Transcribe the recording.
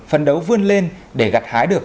phân đấu vươn lên để gặt hái được